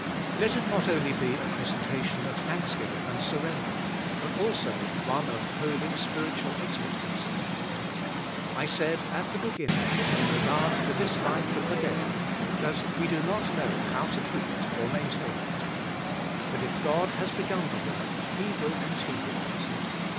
Let it not only be a presentation of thanksgiving and surrender, but also one of holy spiritual expectancy. I said, at the beginning, in regard to this life from the dead, that we do not know how to keep it or maintain it. But if God has begun the work He will continue it.